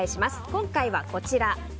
今回はこちら。